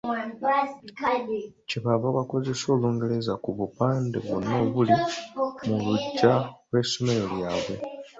Kye bava bakozesa Olungereza ku bupande bwonna obuli mu luggya lw'essomero lyabwe.